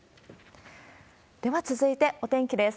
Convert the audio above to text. では続いて、お天気です。